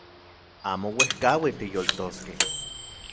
Amo uejkauitl tiyoltoskej